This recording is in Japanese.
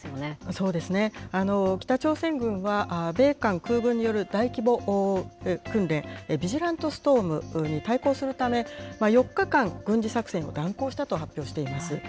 そうですね、北朝鮮軍は米韓空軍による大規模訓練、ヴィジラント・ストームに対抗するため４日間、軍事作戦を断行したと発表しています。